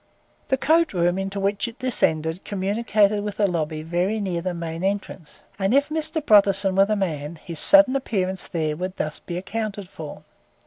The coat room into which it descended communicated with the lobby very near the main entrance, and if Mr. Brotherson were the man, his sudden appearance there would thus be accounted for.